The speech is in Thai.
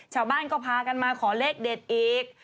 ชาวบ้านก็พากันมาขอเลขเด็ดอีก